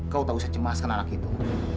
kau tahu saya cemas dengan anak itu